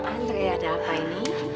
andre ada apa ini